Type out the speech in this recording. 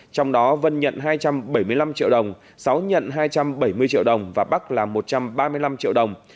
trong đó vân nhận hai trăm bảy mươi năm triệu đồng sáu nhận hai trăm bảy mươi triệu đồng và bắc là một trăm ba mươi năm triệu đồng